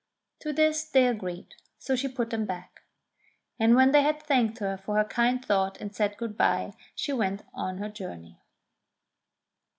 To this they agreed ; so she put them back. And when they had thanked her for her kind thought and said good bye, she went on her journey.